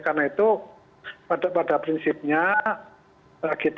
karena itu pada saat ini masih sangat sangat sulit